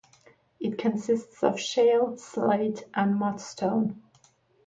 It consists of shale, slate, and mudstone.